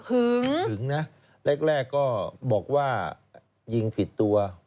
หึงหึงนะแรกก็บอกว่ายิงผิดตัว